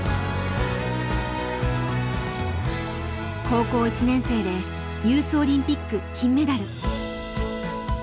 高校１年生でユースオリンピック金メダル。